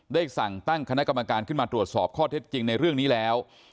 ได้สั่งตั้งคณะกรรมการขึ้นมาตรวจสอบข้อเท็จจริงในเรื่องนี้แล้ว